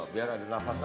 biar ada nafas enak